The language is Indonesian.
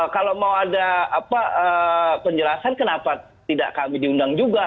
kalau mau ada penjelasan kenapa tidak kami diundang juga